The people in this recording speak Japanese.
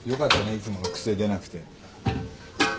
いつもの癖出なくて。